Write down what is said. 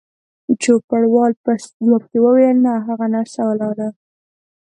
چوپړوال په ځواب کې وویل: نه، هغه نرسه ولاړل.